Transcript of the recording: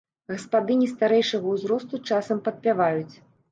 Гаспадыні старэйшага ўзросту часам падпяваюць.